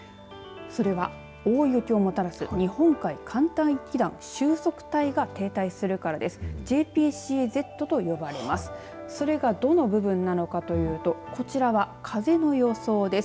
それは大雪をもたらす日本海寒帯気団収束帯が停滞するからです。